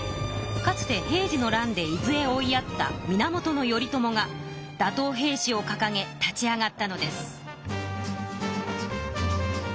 かつて平治の乱で伊豆へ追いやった源頼朝が打とう平氏をかかげ立ち上がったのです。